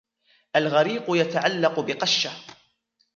الغريق يتعلق بقشة.